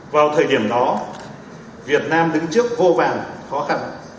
vào thời điểm đó việt nam đứng trước vô vàn khó khăn